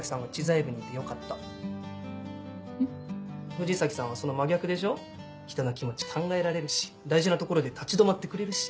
藤崎さんはその真逆でしょ人の気持ち考えられるし大事なところで立ち止まってくれるし。